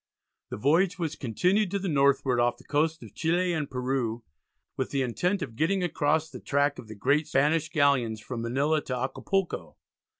The voyage was continued to the northward off the coasts of Chile and Peru with the intention of getting across the track of the great Spanish galleons from Manila to Acapulco.